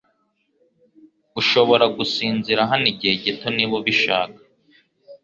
Ushobora gusinzira hano igihe gito niba ubishaka